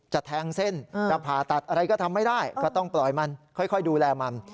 จะแทงเส้นจะผ่าตัดอะไรก็ทำไม่ได้ก็ต้องปล่อยมันค่อยดูแลมัน